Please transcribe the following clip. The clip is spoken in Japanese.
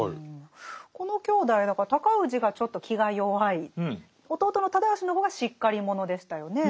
この兄弟だから尊氏がちょっと気が弱い弟の直義の方がしっかり者でしたよね。